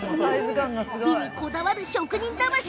美にこだわる職人魂